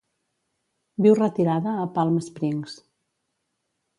Viu retirada a Palm Springs.